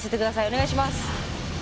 お願いします！